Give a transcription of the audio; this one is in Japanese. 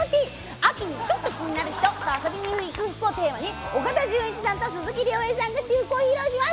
秋にちょっと気になる人と遊びに行く服をテーマに岡田准一さんと鈴木亮平さんが私服を披露します。